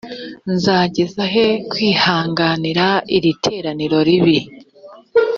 nzageza he kwihanganira iri teraniro ribi